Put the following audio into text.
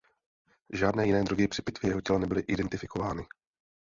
Žádné jiné drogy při pitvě jeho těla nebyly identifikovány.